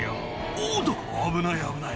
おーっと、危ない、危ない。